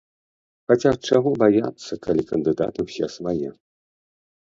Хаця чаго баяцца, калі кандыдаты ўсе свае.